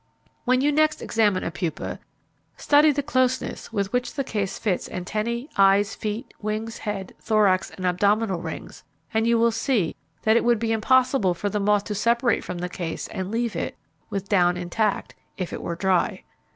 When you next examine a pupa, study the closeness with which the case fits antennae, eyes, feet, wings, head, thorax, and abdominal rings and you will see that it would be impossible for the moth to separate from the case and leave it with down intact, if it were dry.